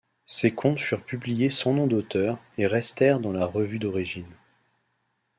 Ces contes furent publiés sans nom d'auteur et restèrent dans la revue d'origine.